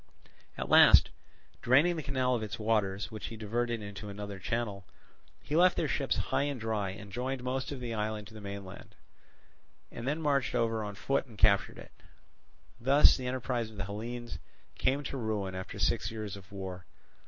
At last, draining the canal of its waters, which he diverted into another channel, he left their ships high and dry and joined most of the island to the mainland, and then marched over on foot and captured it. Thus the enterprise of the Hellenes came to ruin after six years of war.